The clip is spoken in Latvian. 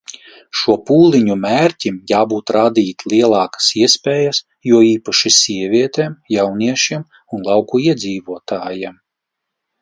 Šo pūliņu mērķim jābūt radīt lielākas iespējas, jo īpaši sievietēm, jauniešiem un lauku iedzīvotājiem.